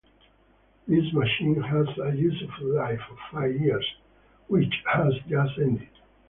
This machine has a useful life of five years which has just ended.